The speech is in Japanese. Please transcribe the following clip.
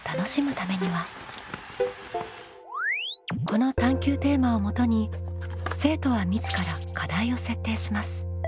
この探究テーマをもとに生徒は自ら課題を設定します。